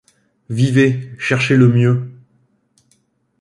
Vivez ! cherchez le mieux !